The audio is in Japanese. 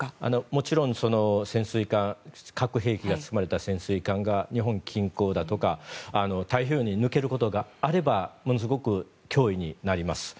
もちろん核兵器が積まれた潜水艦が日本近郊だとか太平洋に抜けることがあればものすごく脅威になります。